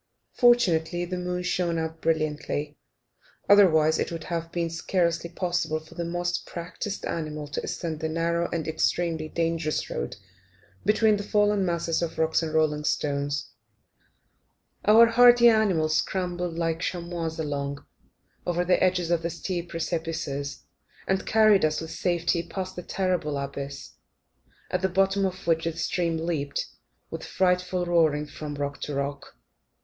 Fortunately the moon shone out brilliantly, otherwise it would have been scarcely possible for the most practised animal to ascend the narrow and extremely dangerous road between the fallen masses of rock and rolling stones. Our hardy animals scrambled like chamois along, over the edges of the steep precipices, and carried us with safety past the terrible abyss, at the bottom of which the stream leapt, with a frightful roaring, from rock to rock.